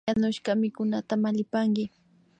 Yanushka mikunata mallipanki